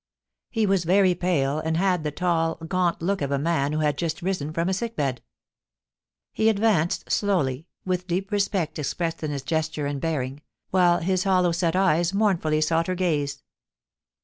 He was very pale, and had the tall, gaunt look of a man who had just risen from a sick bed. He advanced slowly, with deep respect expressed in his gesture and bearing, while his hoilow set eyes mournfully sought her gaze.